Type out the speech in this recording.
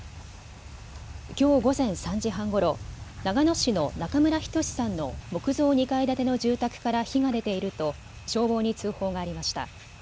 きょう午前３時半ごろ長野市の中村均さんの木造２階建ての住宅から火が出ていると消防に通報がありました。